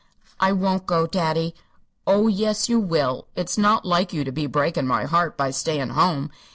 "I won't go, daddy." "Oh, yes you will. It's not like you to be breakin' my heart by stayin' home.